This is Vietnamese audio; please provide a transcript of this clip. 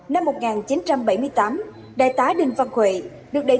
năm một nghìn chín trăm bảy mươi tám đại tá đình văn huy